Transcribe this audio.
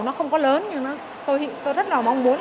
nó không có lớn nhưng tôi rất mong muốn